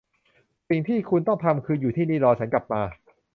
สิ่งที่คุณต้องทำคืออยู่ที่นี่รอฉันกลับมา